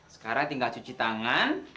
sekarang tinggal cuci tangan